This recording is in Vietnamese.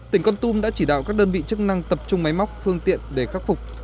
tỉnh con tum đã chỉ đạo các đơn vị chức năng tập trung máy móc phương tiện để khắc phục